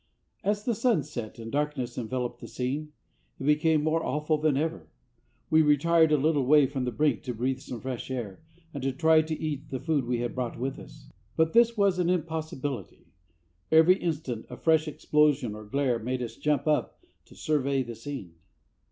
As the sun set and as darkness enveloped the scene, it became more awful than ever. We retired a little way from the brink to breathe some fresh air, and to try and eat the food we had brought with us; but this was an impossibility. Every instant a fresh explosion or glare made us jump up to survey the scene.